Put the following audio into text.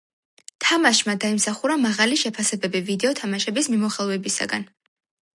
თამაშმა დაიმსახურა მაღალი შეფასებები ვიდეო თამაშების მიმოხილველებისგან.